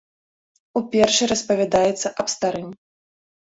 У першай распавядаецца аб старым.